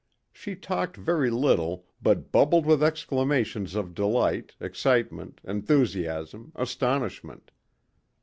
She talked very little but bubbled with exclamations of delight, excitement, enthusiasm, astonishment.